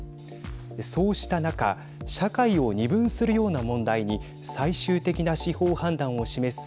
そうした中社会を二分するような問題に最終的な司法判断を示す